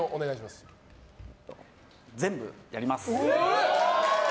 全部やります！